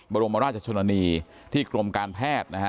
บรมราชชนนีที่กรมการแพทย์นะฮะ